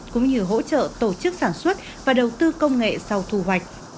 cũng như hỗ trợ tổ chức sản xuất và đầu tư công nghệ sau thu hoạch